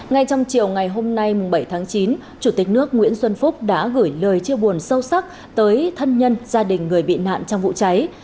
ngay trong chiều ngày hôm nay bảy tháng chín chủ tịch nước nguyễn xuân phúc đã gửi lời chia buồn sâu sắc tới thân nhân gia đình người bị nạn trong vụ cháy